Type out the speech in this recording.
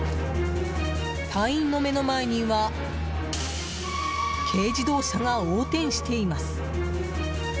隊員の目の前には軽自動車が横転しています。